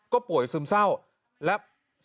ก็ป่วยซึมเศร้า